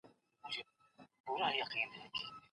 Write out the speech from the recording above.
په اخيستلو او خرڅولو کي له چله ډډه وکړئ.